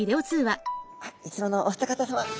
あいつものお二方さま！